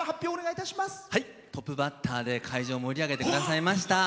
トップバッターで会場を盛り上げてくださいました